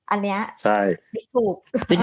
อันนี้ถูก